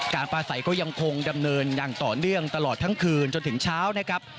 ปลาใสก็ยังคงดำเนินอย่างต่อเนื่องตลอดทั้งคืนจนถึงเช้านะครับ